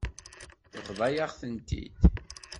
Tebḍa-yaɣ-tent-id.